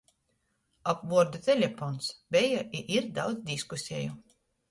Ap vuordu telepons beja i ir daudz diskuseju.